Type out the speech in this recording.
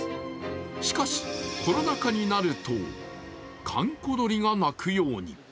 しかし、コロナ禍になると閑古鳥が鳴くように。